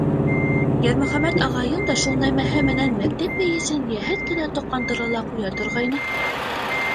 — Йәрмөхәмәт ағайың да шул нәмәһе менән мәктәп мейесен йәһәт кенә тоҡандыра ла ҡуя торғайны.